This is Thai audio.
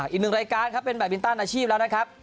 อีกหนึ่งรายการครับเป็นแบบมินตันอาชีพแล้วนะครับ